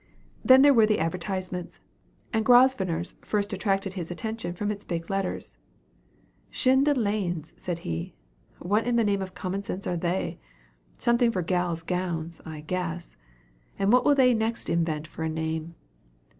Then there were the advertisements; and Grosvenor's first attracted his attention from its big letters. "CHENIE DE LAINES!" said he, "What in the name of common sense are they? Something for gal's gowns, I guess; and what will they next invent for a name?"